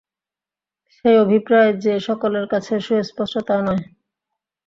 সেই অভিপ্রায় যে সকলের কাছে সুস্পষ্ট তাও নয়।